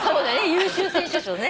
優秀選手賞ね。